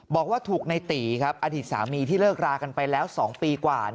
บอกว่าถูกในตีครับอดีตสามีที่เลิกรากันไปแล้ว๒ปีกว่า